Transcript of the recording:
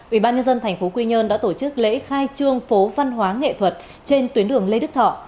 ubnd tp quy nhơn đã tổ chức lễ khai trương phố văn hóa nghệ thuật trên tuyến đường lê đức thọ